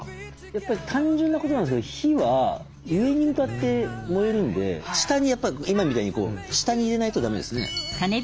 やっぱり単純なことなんですけど火は上に向かって燃えるんで今みたいに下に入れないとだめですね。